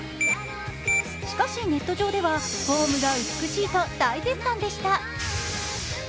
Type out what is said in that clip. しかしネット上ではフォームが美しいと大絶賛でした。